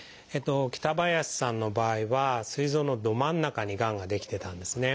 北林さんの場合はすい臓のど真ん中にがんが出来てたんですね。